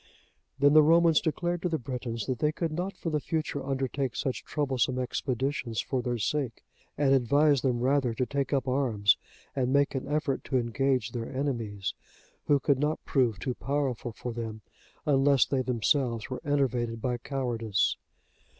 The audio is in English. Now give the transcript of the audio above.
Then the Romans declared to the Britons, that they could not for the future undertake such troublesome expeditions for their sake, and advised them rather to take up arms and make an effort to engage their enemies, who could not prove too powerful for them, unless they themselves were enervated by cowardice.